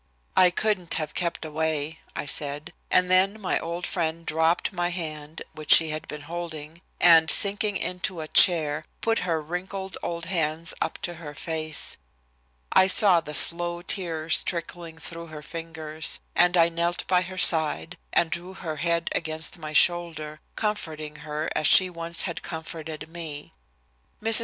"I couldn't have kept away," I said, and then my old friend dropped my hand, which she had been holding, and, sinking into a chair, put her wrinkled old hands up to her face. I saw the slow tears trickling through her fingers, and I knelt by her side and drew her head against my shoulder, comforting her as she once had comforted me. Mrs.